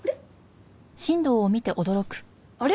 あれ？